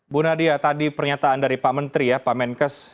bu nadia tadi pernyataan dari pak menteri ya pak menkes